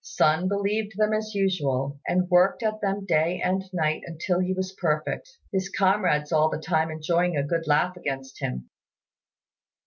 Sun believed them as usual, and worked at them day and night until he was perfect, his comrades all the time enjoying a good laugh against him.